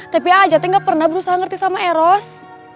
tapi a'ajat tuh gak pernah berusaha ngerti sama eros